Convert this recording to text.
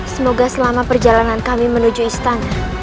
semoga selama perjalanan kami menuju istana